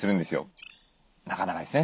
なかなかですね